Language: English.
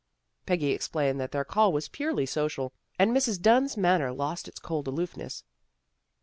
Peggy explained that their call was purely social, and Mrs. Dunn's manner lost its cold aloofness.